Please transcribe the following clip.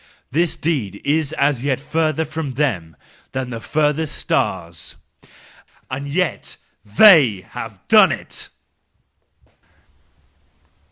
This deed is as yet further from them than the furthest star,— and yet they have done it!"